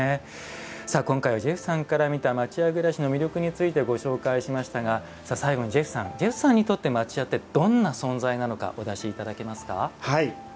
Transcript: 今回はジェフさんから見た町家暮らしの魅力についてご紹介しましたが最後にジェフさんジェフさんにとって町家ってどんな存在なのかお出しいただけますか。